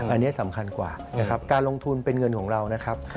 อันนี้สำคัญกว่านะครับการลงทุนเป็นเงินของเรานะครับ